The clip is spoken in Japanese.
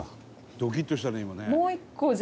「ドキッとしたね今ね」